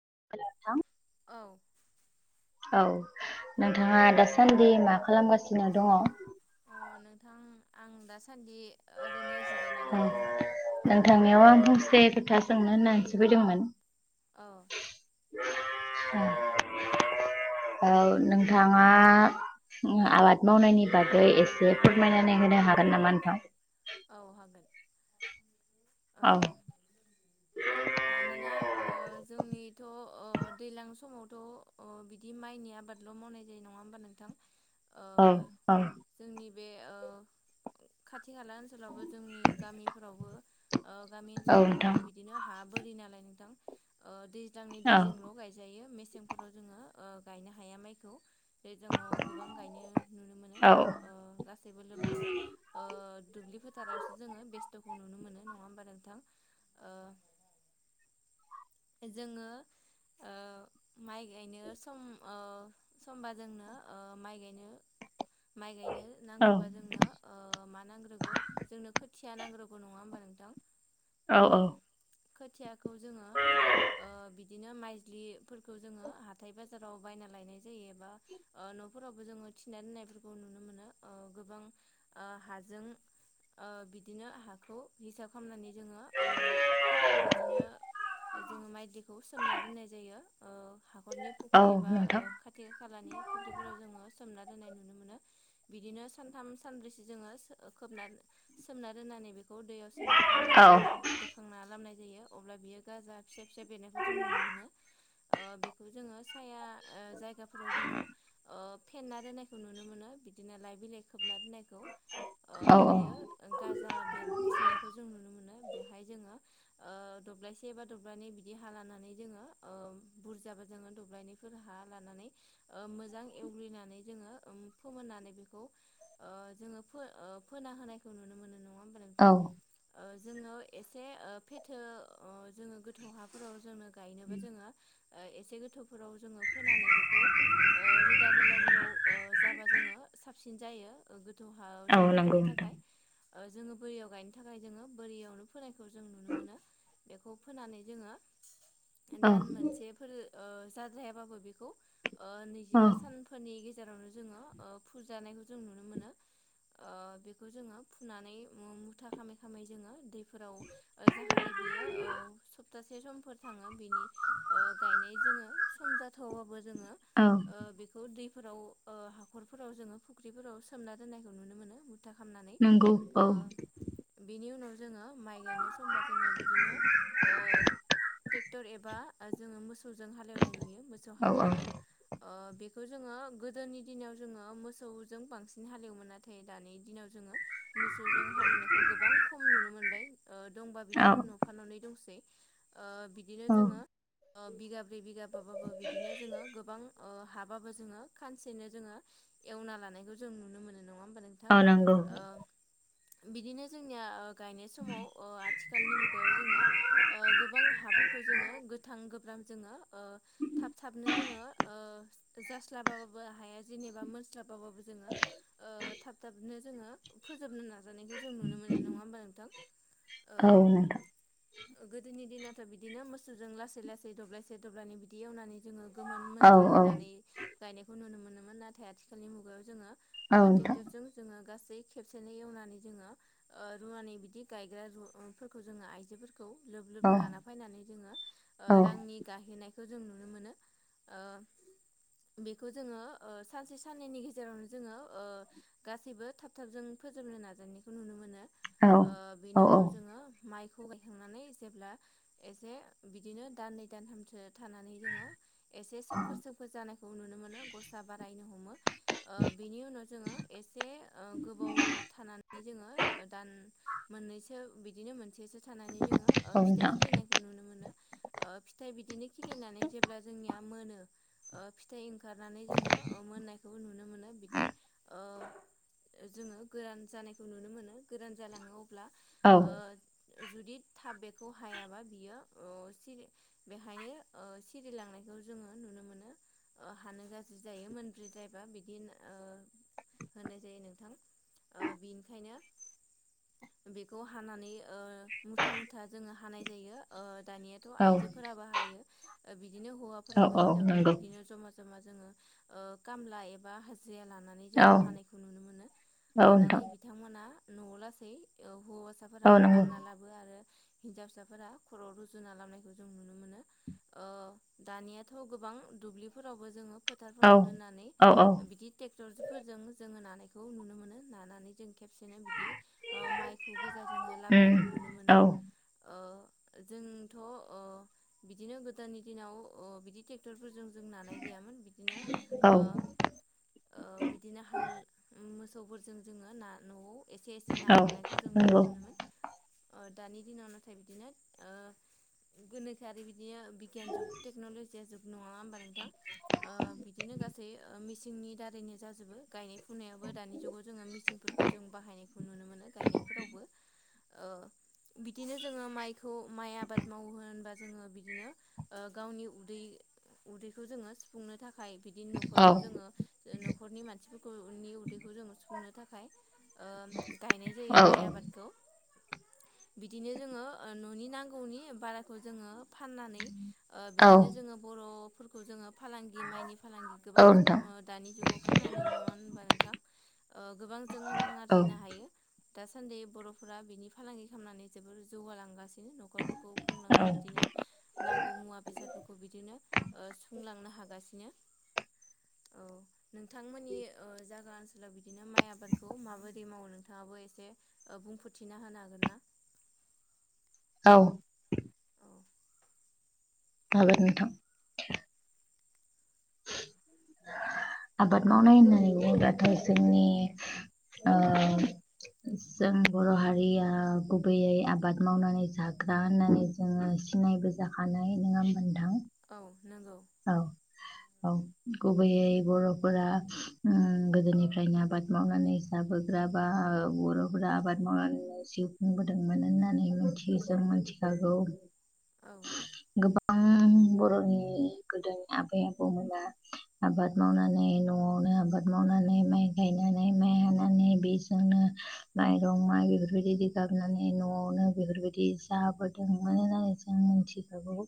[inaudible] [inaudible] औ नोंथाङा दासान्दि मा खालामगासिनो दङ अ नोंथां आं दासान्दि ओरैनो जिरायनाय दं नोंथांनियाव आं फंसे खोथा सोंनो होननानैसो फैदोंमोन औ औ नोंथांआ आबाद मावनायनि बागै एसे फोरमायनानै होनो हागोन नामा नोंथां औ हागोन औ मानोना जोंनि [inaudible] दैज्लां समावथ' बिदि माइनि आबादल' मावनाय जायो नङा होमबा नोंथां ओ औ औ जोंनि बे खाथि खाला ओनसोलावबो जोंनि गामिफोरावबो गामि औ ओनसोलफोरावबो नोंथां बिदिनो हा बोरि नालाय नोंथां सिजांनि औ दैजोंल' गायजायो मेसेंफोराव जोङो गायनो हाया माइखौ जे जोंङाव गोबां गायनो नुनो मोनो औ गासैबो लोब लोब बे फोारावसो जोङो बेस्थ'खौ नुनो मोनो नङा होमबा नोंथां जोङो माइ गायनो सम समबा जोंनो माइ गायनो [inaudible] माइ गायनो औ नांगौबा जोंनो मा नांग्रोगौ जोंनो खोथिया नांग्रोगौ नङा होनबा नोंथां औ ओ औ खोथियाखौ जोङो बि बिदिनो माइजलिफोरखौ जोङो हाथाय बाजाराव बायना लायनाय जायो एबा न'फोरावबो जोङो थिना दोननायफोरखौ नुनो मोनो गोबां हाजों बिदिनो हाखौ हिसाब खालामनानै जोङो बिदिनो जोङो माइदिखौ सोमना दोननाय जायो हाखरनि औ फुख्रि एबा नोंथां खाथि खालानि फुख्रिफोराव जोङो सोमनानै नुनो मोनो बिदिनो सानथाम सानब्रैसो जोङो खोब सोमना दोननानै बे दैयाव सोमना औ दोननानै जोङो बोखांना लामनाय जायो अब्ला बियो गाजा फिसा फिसा बेनायखौ जों नुनो मोनो बेखौ जोङो साया जायगाफोराव जोङो फेना दोननायखौ नुनो मोनो बिदिनो लाइ बिलाइ खोबना दोननायखौ औ बियो गाजा बेर सिनायखौ जों नुनो मोनो बेहाय जोंओ [inaudible] दब्लायसे एबा दब्लनै बिदि हा लानानै जोङो बुरजाबा जोङो दब्लायनफोर हा लानानै मोजां एवग्लिनानै जोङो फोमोननानै फोना होनायखौ नुनो मोनो नङा होमबानो औ बिथां जोङो एसे फेथो जोङो गोथौ हाफोराव जोङो गायनोबा जोङो एसे गोथौफोराव जोङो फोनानै बेखौ रोदा गोलाव गोलाव जाबा जोङो साबसिन जायो दहायाव औ जों नंगौ गायनो नोंथां थाखाय जोङो बोरियाव गायनो थाखाय जोङो बोरियावनो फोनायखौ जों नुनो मोनो बेखौ फोनानै जोङो औ दान मोनसेफोर जाद्रायाबाबो बेखौ औ नैजिबा सानफोरनि जोङो फुजानायखौ जों नुनो मोनो जोंओ फुनानै मुथा खामै खामै जाहाते बियो सपतासे समफोर थाङो बिनि गानाय जोङो सम जाथवाबाबो जोङो औ ओ बेखौ दै फोराव हाखरफोराव जोङो फुख्रिफोराव सोमना दोननायखौ नुनो मोनो। मुथा खालामनानै नंगौ औ बेनि उनाव जोङो माइ गायनो समबा जोङो बिदिनो ओ टेक्टर एबा जोङो मोसौ मोसौफोरजों हालेवनाय नुयो मोसौ औ औ हालौवाजों ओ बेखौ जोङो गोदोनि दिनाव जोङो मोसौजों बांसिन हालेवोमोन नाथाय दानि दिनाव जोङो मोसौजों हालौवनायखौ गोबां खम नुनो मोनबाय ओ दंबा औ बिदिनो नफा न'नै दंसै। ओ बिदिनो जोङो ओ बिगाब्रै बिगाबाबाबो बिदिनो जोङो गोबां ओ हाबाबो जोङो खानसेनो जोङो एवना लानायखौ जों नुनो मोनो नङा होमबा नोंथां। अ नंगौ। ओ बिदिनो जोंनिया गायनाय समाव ओ आथिखालनि मुगायाव जोङो ओ गोबां हाफोरखौ जोङो गोथां गोब्राब जोङो ओ थाब-थाबनो जोङो ओ जास्लाबाबो हाया जेनेबा मोनस्लाब बाबो जोङो थाब-थाबनो जोङो फोजोबनो नाजा नाजानायखौ जों नुनो मोनो नङा होम्बा नोंथां ओ औ नोंथां गोदोनि दिनाथ' बिदिनो मोसौजों लासै-लासै दब्लायसे दब्लायनै बिदि एवनानै जोङो गोमोन औ मोनग्लि औ होनानै गायनायखौ नुनो मोनोमोन नाथाय आथिखालनि मुगायाव जोङो ओ औ नोंथां टेक्टरजों गासै खेबसेनो एवनानै जोङो ओ रुवानि बिदि गायग्रा रुफोरखौ जोङो आइजोफोरखौ खौ लोब-लोब औ लाना फैनानै जोङो ओ औ रांनि गाहे खौ जों नुनो मोनो ओ बेखौ जोङो ओ सानसे साननैनि गेजेरावनो जोङो ओ गासैबो थाब-थाबजों फोजोबनो नाजानायानायखौ नुनो मोनो औ औ बेनि उनाव जोङो माइखौ खौ गायखांनानै जेब्ला एसे बिदिनो दाननै दानथामसो थानानै जोङो एसे सोमखोर-सोमखोर जानायखौ नुनो मोनो गसा बारायनो हमो। ओ बिनि उनाव जोङो से ओ गोबाव थानानै जोङो मोनैसो बिदिनो मोनसेसो थानानै जोङो ओ औ फिथाइ नोंथां खिलिनायखौ नुनो मोनो ओ फिथाइ बिदिनो खिलिनानै जेब्ला जोंनिया मोनो ओ फिथाइ ओंखारनानै जोङो मोननायखौ नुनो मोनो बिदि ओ जोङो गोरान जानायखौ नुनो मोनो गोरान जालाङो अब्ला औ ओ जुदि थाब बेखौ हायाबा बियो ओ सिरि बेहायनो ओ सिरिलांनायखो खौ जोङो नुनो मोनो ओ हानो गाज्रि जायो मोनज्रिद्रायबा बिदि ओ होननाय जायो नोंथां ओ बिनिखायनो बेखौ हानानै ओ मुथा-मुथा जोङो हानाय जायो ओ ‌ दानियाथ' औ आइजोफोराबो हायो बिदिनो औ हौवाफोराबो औ हिनजावफोर नंगौ बिदिनो जमा जमा जोङो खामला एबा हाजिर लानानै औ जोङो हानायखौ नुनो मोनो औ हानानै नोंथां बिथांमोना न' लासै हौवासाफोरा औ नंगौ बानना लाबो आरो हिन्जाव फिसाफोरा खर'आव रुजुना लाबनायखौ जों नुनो मोनो। ओ दानियाथ' गोबां दुब्लिफोरावबो जोङो औ फोथारफोराव दोननानै औ औ बिदि ट्रेक्टरजों जोङो नानायखौ नुनो मोनो जों खेबसेनो बिदि ओ माइखौ गोजा जोङो उम लाबोनखौ नुनो मोनो औ ओ जोंथ'ओ बिदिनो गोदोनि दिनाव ओ बिदि ट्रेक्टरफोरजों जों नानाय गैयामोन बिदिनो औ नंगौ औ ओ- ओ बिदिनो हाल मोसौफोरजों जोङो ना न'आव एसे-एसे औ औ नोंथां नानायखौ औ औ जों नुनो मोनोमोन ओ दानि दिनाव नाथाय बिदिनो ओ गोनोआरि बि बिदिनो बिगियान जुग टेक्नलजि जुग नङा होमबा नोंथां ओ बिदिनो गासै ओ मासिंनि दारैनो गायनाय फुनायावबो दानि जुगाव जोङो मेचनफोरखौ जों बाहायनायखौ नुनो मोनो गायनायफोरावबो। ओं। बिदिनो जोङो माइखौ माइ आबाद मावो होनबा जोङो बिदिनो गावनि उदै उदैखौ जोङो सुफुंनो थाखाय। थाखाय बिदिनो न'खरखौ जोङो न'खरनि मानसिफोरखौनि उदैखौ जोंङो सुफुंनो थाखाय गायनाय जायो माइ आबादखौ बिदिनो जोङो न'नि नांगौनि बाराखौ जोङो फाननानै बिदिनो जोङो बर'फोरखौ जोङो फालांगि माइनि फालांगि गोबां दानि जुगाव खालामनाय नङा होनबा नोंथां गोबां जों रां आरजिनो हायो। दासान्दि बर'फोरा बिनि फालांगि खालामनानै जोबोर जौगालांगासिनो। बिदिनो न'खरफोरखौ खुंलांनो बिदिनो नांगौ मुवा बेसादफोरखौ बिदिनो सुंलांनो हागासिनो औ नोंथांमोननि जागा। बिदिनो माइ आबादखौ माबोरै मावो नोंथाङाबो एसे बुंफोरथिना होनो हागोनना? औ। औ हागोन नोंथां। आबाद मावनाय होनोबाथ' जोंनि औ। जों बर' हारिया गुबैयै आबाद मावनानै जाग्रा होननानै जोङो। सिनाय बोजाखानाय नङा होनबा नोंथां औ। नंगौ औ। औ गुबैयै बर'फोरा ओ गोदोनिफ्रायनो आबाद मावनानै जाबोग्रा बा बर'फोरा आबाद मावनानै जिउ खुंबोदोंमोन होननानै मिथियो जों मिथिखागौ। औ [unintelligible] गोबां बर'नि गोदोनि आबै आबौमोना आबाद मावनानै न'आवनो आबाद मावनानै माइ गायनानै माइ हानानै बेजोंनो माइरं माइ बेफोर बायदि न'आवनो बेफोर बायदि जाबोदोंमोन आरो मिथिखागौ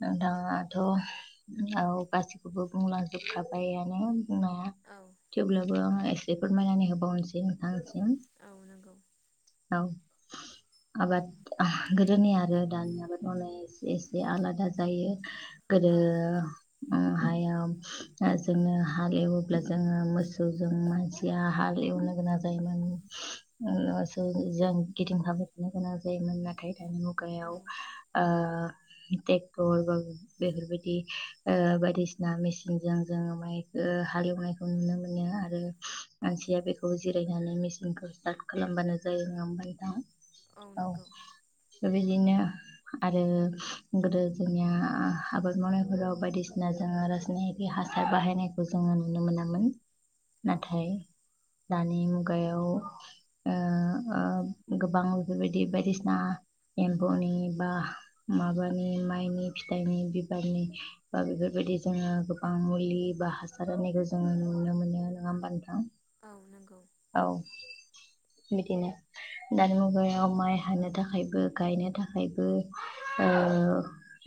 नोंथाङाथ' औ गासिखौबो बुंलांजोबखाबायानो बुंनाया औ थेवब्लाबो आं एसे फोरमायनानै होबावनोसै नोंथांसिम औ नंगौ औ आबाद गोदोनि आरो दानि आबाद मावनाया एसे एसे आलादा जायो। गोदो औ उम हायाव जोङो हालेवोब्ला जोङो मोसौजों मानसिया हा गोनां जायोमोन मोसौजों गिदिंफाबाय थानो गोनां जायोमोन नाथाय औ मुगायाव ओ ट्रेक्टर बा बेफोर बायदि‌ ओ बायदिसिना मेसिनजों जोङो माइ हालेवनायखौ नुनो मोनो आरो मानसिया बेखौ जिरायनानै मेसिनखौ स्टार्ट खालामबानो जायो नङा होनबा नोंथां औ बेबायदिनो आरो गोदो जोंनिया आबाद मावनाय बायदिसिना जोङो रासायनारि हासार बाहायनायखौ जोङो नुनो मोनामोन। औ नाथाय दानि मुगायाव ओ ओ गोबां बेफोरबायदि बायदिसिना एम्फौनि बा माबानि माइनि फिथाइनि बिबारनि ओ बेफोर बायदि जोङो गोबां मुलि बा हासार होनायखौ जोङो नुनो मोनो नङा होमबा नोंथां। औ नंगौ। औ बिदिनो दानि मुगायाव माइ हानो थाखायबो गायनो थाखायबो ओ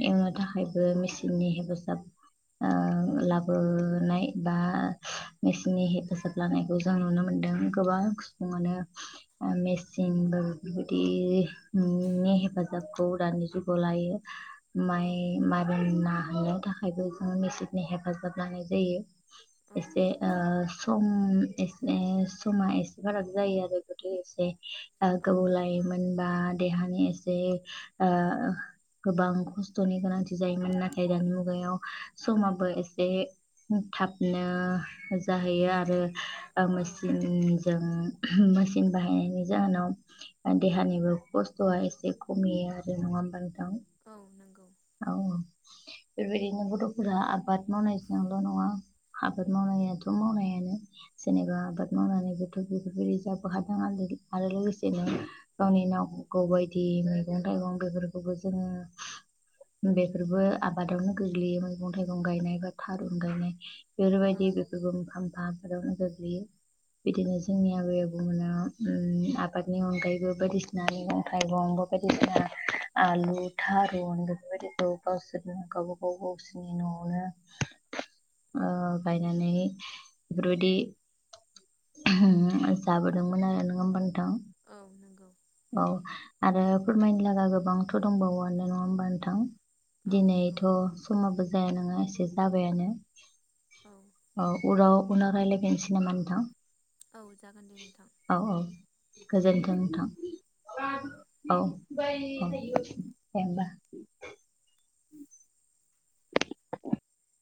एवनो थाखायबो मेचिननि हेफाजाब ओ लाबोनाय बा मेसिननि हेफाजाब लानायखौ जों नुनो मोनदों। नुदों गोबां सुबुंआनो मेचिन बो बेफोर बायदि नि हेफाजाबखौ दानि जुगाव लायो। औ माइ मारोन नाहैैनो थाखायबो जों मेसेननि हेफाजाब लानाय जायो। औ एसे ओ सम एसे समा एसे फाराग जायो आरो गोदो एसे औ गोबाव लायो मोन बा देहानि एसे ओ गोबां खस्थ'नि गोनांथि जायोमोन नाथ गेदान मुगायाव समाबो एसे थाबनो जाहैयो आरो ओ औ मेसिनजों मेसिन बाहायनायनि जाहोनाव देहानिबो खस्थ'आ एसे खमियो आरो नों नंआ ओमबा नोंथां? औ नंगौ औ बेबायदिनो गथ'फोरा आबाद मावनायजोंल' नङा आबाद मावनायाथ' मावनायानो जेनेबा आबाद मावनानैबोथ' बेफोरबायदि जाबो हो आलि बादि आरो लोगोसेनो गावनि नांगौ बायदि मैगं थाइगं बेफोरखौबो जोङो बेफोरबो आबादावनो गोग्लैयो मैगं थाइगं गायनाय बा थारुन गायनाय औ बेफोरबायदि बेफोरबो मोनफा मोनफा आबाद आवनो गोग्लैयो बिदिनो जोंनि आबै आबौमोनहा ओम आबादनि अनगायैबो बायदिसिना मैगं थाइगं बेफोबादिना औ आलु था मोनगोन बेबादिखौ गावसोरनो गावबा गाव‌ गावसिनि न'आवनो ओ बायनानै बेफोरबायदि ओ होम जाबोदोंमोन आरो नोंङा ओमबा नोंथां? औ नंगौ औ आरो फोरमायनो लागा गोबांथ' दंबावोआनो नङा होमबा नोंथां औ नंगौ दिनैथ' समाबो जाया नङा एसे जाबायानो औ औ उराव उनाव रायलायबावनि सै नामा नोंथां औ जागोन दे नोंथां औ औ औ गोजोनथों नोंथां औ औ दे ओमबा उम